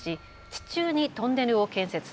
地中にトンネルを建設。